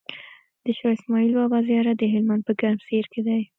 د شاهاسماعيل بابا زيارت دهلمند په ګرمسير کی دی